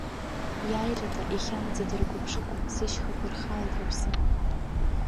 Иааирада ихьамҵит ргәыԥшқа, сышьхақәа ирхалеит рыԥсы.